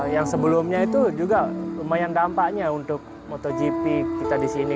yang sebelumnya itu juga lumayan dampaknya untuk motogp kita di sini